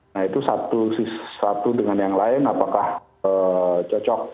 nah itu satu dengan yang lain apakah cocok